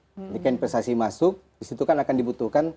jadi kan investasi masuk disitu kan akan dibutuhkan